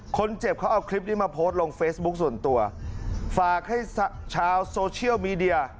คนเจ็บเขาเอาคลิปนี้มาโพสต์ลงเฟซบุ๊คส่วนตัวฝากให้ชาวโซเชียลมีเดีย